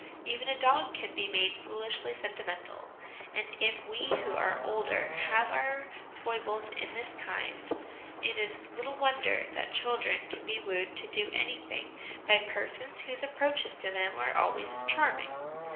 Even a dog can be made foolishly 1 88 HOME EDUCATION sentimental ; and, if \ve who are older have our foibles in this kind, it is little wonder that children can be wooed to do anything by persons whose approaches to them are always charming.